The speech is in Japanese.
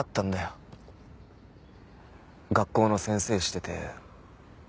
学校の先生してて。